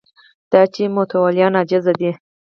دا چې متولیان عاجزه دي